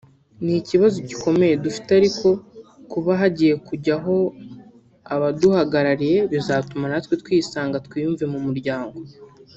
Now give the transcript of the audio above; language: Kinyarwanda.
Iki ni ikibazo gikomeye dufite ariko kuba hagiye kujyaho abaduhagarariye bizatuma natwe twisanga twiyumve mu muryango